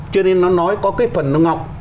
cho nên nó nói có cái phần nó ngọc